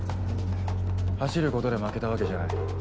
走ることで負けたわけじゃない。